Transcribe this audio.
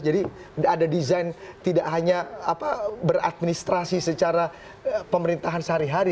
jadi ada desain tidak hanya beradministrasi secara pemerintahan sehari hari